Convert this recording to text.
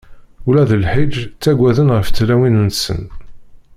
Ula deg lḥiǧ ttagaden ɣef tlawin-nsen!